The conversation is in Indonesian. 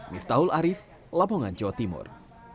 miftahul arief lamongan jawa timur